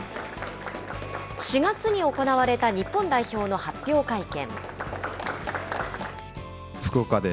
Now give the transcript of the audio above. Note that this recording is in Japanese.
４月に行われた日本代表の発表会見。